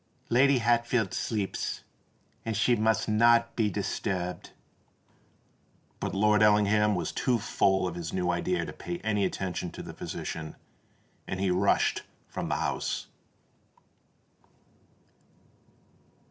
"Lady Hatfield sleeps—and she must not be disturbed." But Lord Ellingham was too full of his new idea to pay any attention to the physician; and he rushed from the house.